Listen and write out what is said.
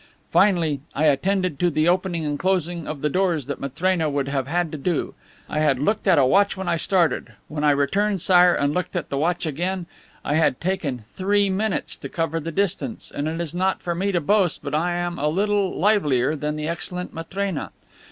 Finally, I attended to the opening and closing of the doors that Matrena would have had to do. I had looked at a watch when I started. When I returned, Sire, and looked at the watch again, I had taken three minutes to cover the distance and it is not for me to boast, but I am a little livelier than the excellent Matrena.